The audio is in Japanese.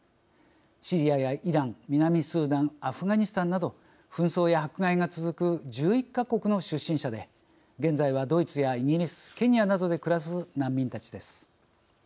シリアやイラン、南スーダンアフガニスタンなど紛争や迫害が続く１１か国の出身者で現在はドイツやイギリスケニアなどで暮らす難民たちです。